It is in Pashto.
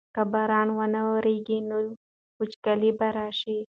که باران ونه ورېږي نو وچکالي به راشي.